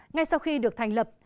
ngay sau khi được thành lập